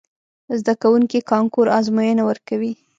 زده کوونکي کانکور ازموینه ورکوي.